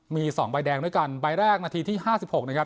มีสองใบแดงด้วยกันใบแรกนาทีที่ห้าสิบหกนะครับ